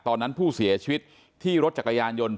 ตอนนั้นผู้เสียชีวิตที่รถจักรยานยนต์